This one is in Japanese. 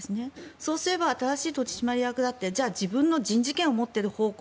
そうすれば新しい取締役だってじゃあ自分の人事権を持っている方向